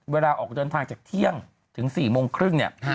เวลาออกเดินทางจากเที่ยงถึง๔โมงครึ่งเนี่ย